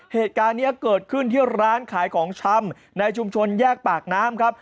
เหตุการณ์นี้เกิดขึ้นที่ร้านขายของชำในชุมชนแยกปากน้ำครับ